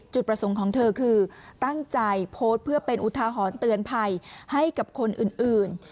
จุดประสงค์ของเธอคือตั้งใจโพสต์เพื่อเป็นอุทาหรณ์เตือนภัยให้กับคนอื่น